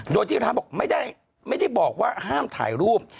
โดยที่ร้านบอกไม่ได้บอกว่าห้ามถ่ายรูป